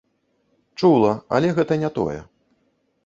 Чула, але гэта не тое.